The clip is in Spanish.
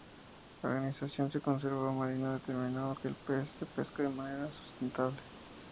La Organización de Conservación Marina determinó que el pez se pesca de manera sustentable.